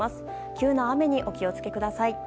急な雨にお気を付けください。